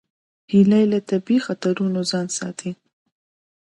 هیلۍ له طبیعي خطرونو ځان ساتي